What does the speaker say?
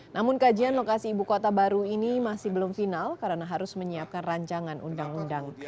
namun kajian lokasi ibu kota baru ini masih belum final karena harus menyiapkan rancangan undang undang